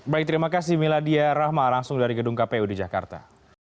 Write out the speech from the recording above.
baik terima kasih miladia rahma langsung dari gedung kpu di jakarta